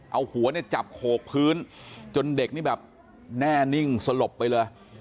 เอาหัวจับโขกพื้นจนเด็กแน่นิ่งสลบไปเลย